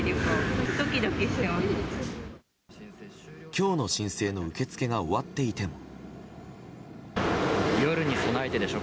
今日の申請の受け付けが終わっていても。